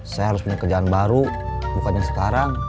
saya harus punya kerjaan baru bukan yang sekarang